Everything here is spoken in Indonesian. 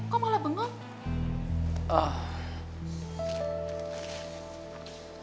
kok malah bengong